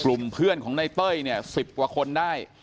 กลุ่มเพื่อนของในเต้ยเนี่ย๑๐กว่าคนได้